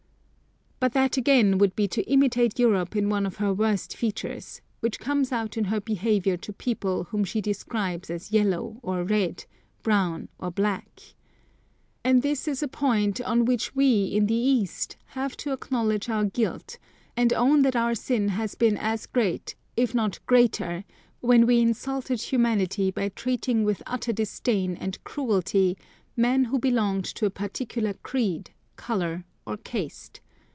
But that again would be to imitate Europe in one of her worst features which comes out in her behaviour to people whom she describes as yellow or red, brown or black. And this is a point on which we in the East have to acknowledge our guilt and own that our sin has been as great, if not greater, when we insulted humanity by treating with utter disdain and cruelty men who belonged to a particular creed, colour or caste.